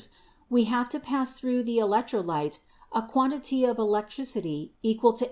we have to pass through the electrolyte a quantity of electricity equal to 8.